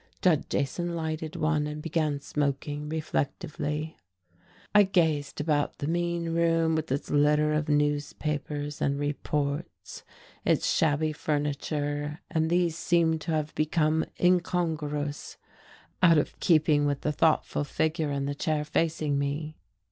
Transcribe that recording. Judd Jason lighted one, and began smoking reflectively. I gazed about the mean room, with its litter of newspapers and reports, its shabby furniture, and these seemed to have become incongruous, out of figure in the chair facing me keeping with the thoughtful figure in the chair facing me.